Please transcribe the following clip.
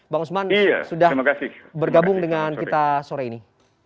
bang usman sudah bergabung dengan kita sore ini